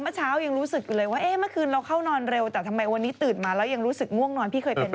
มะเชยังรู้สึกเลยว่าแห่งมะคืนเราเขานอนเร็วเต๋อทำไมตื่นมาแล้วยังรู้สึกง่วงนอน